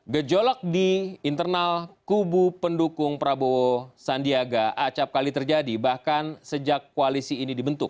gejolak di internal kubu pendukung prabowo sandiaga acapkali terjadi bahkan sejak koalisi ini dibentuk